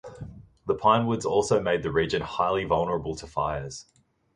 The pine woods also made the region highly vulnerable to fires.